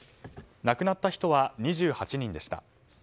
亡くなった人は２８人でした。